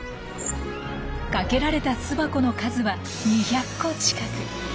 かけられた巣箱の数は２００個近く。